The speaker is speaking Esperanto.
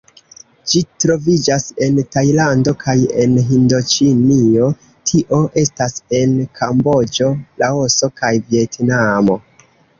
Ĝi troviĝas en Tajlando kaj en Hindoĉinio, tio estas en Kamboĝo, Laoso kaj Vjetnamo.